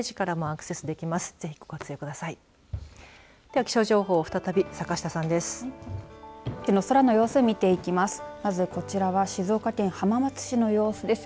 では気象情報再び坂下さんです。